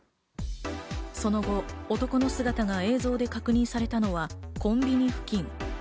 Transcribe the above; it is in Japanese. その後、男の姿が映像で確認されたのはコンビニ付近。